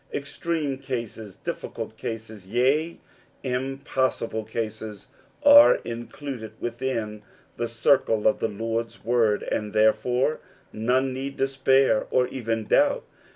Extreme cases, difficult cases, yea, impossible cases, are included within the circle of the Lord's word, and therefore none need despair, or even doubt.